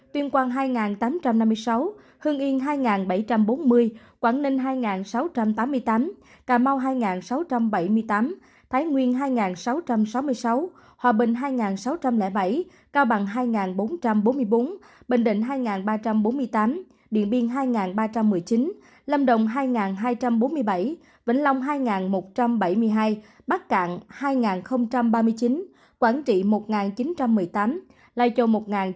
tuyên quang hai tám trăm năm mươi sáu hương yên hai bảy trăm bốn mươi quảng ninh hai sáu trăm tám mươi tám cà mau hai sáu trăm bảy mươi tám thái nguyên hai sáu trăm sáu mươi sáu hòa bình hai sáu trăm linh bảy cao bằng hai bốn trăm bốn mươi bốn bình định hai ba trăm bốn mươi tám điện biên hai ba trăm một mươi chín lâm đồng hai hai trăm bốn mươi bảy vĩnh long hai một trăm bảy mươi hai bắc cạn hai ba mươi chín quảng trị một chín trăm một mươi tám lai châu một chín trăm linh ba